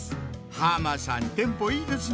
浜さんテンポいいですねぇ！